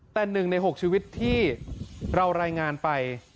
แต่๑ใน๖ชีวิตที่เรารายงานไป